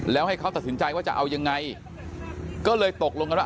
แล้วให้เขาตัดสินใจว่าจะเอายังไงก็เลยตกลงกันว่า